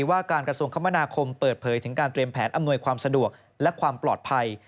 ว่าการกระทรวงคมนาคมเปิดเผยถึงการเตรียมแผนอำนวยความสะดวกและความปลอดภัย